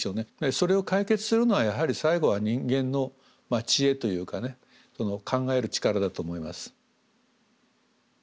それを解決するのはやはり最後は人間の知恵というかね考える力だと思います。